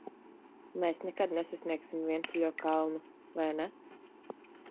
Mēs nekad nesasniegsim vientuļo kalnu, vai ne?